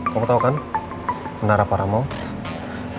kamu tau kan menara paramount